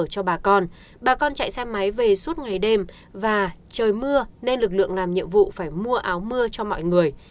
cho bà con bà con chạy xe máy về suốt ngày đêm và trời mưa nên lực lượng làm nhiệm vụ phải mua áo mưa cho mọi người